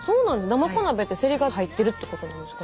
だまこ鍋ってせりが入ってるってことなんですか。